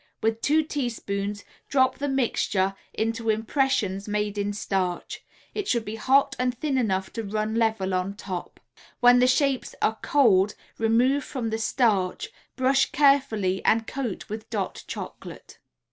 With two teaspoons drop the mixture into impressions made in starch; it should be hot and thin enough to run level on top. When the shapes are cold, remove from the starch, brush carefully and coat with "Dot" Chocolate. [Illustration: ROSE AND PISTACHIO CHOCOLATE CREAMS.